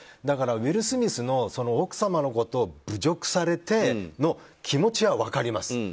だからウィル・スミスの奥様のことを侮辱されての気持ちは分かります。